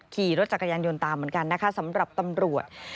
ขี่รถจักรยานยนต์ตามเหมือนกันนะคะสำหรับตำรวจ